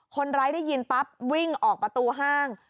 ได้ยินปั๊บวิ่งออกประตูห้าง